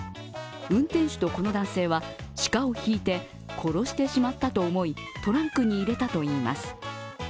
運転手とこの男性は鹿をひいて殺してしまったと思いトランクに入れたといいます。